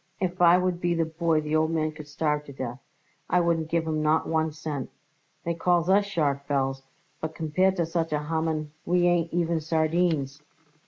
If I would be the boy the old man could starve to death; I wouldn't give him not one cent. They call us sharks, Belz, but compared with such a Haman we ain't even sardines."